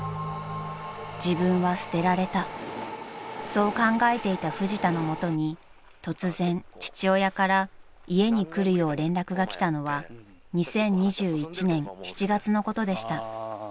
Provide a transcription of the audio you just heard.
［そう考えていたフジタの元に突然父親から家に来るよう連絡が来たのは２０２１年７月のことでした］